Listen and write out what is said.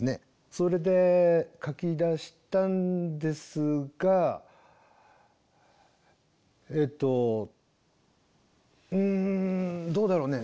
それで書きだしたんですがえっとうんどうだろうね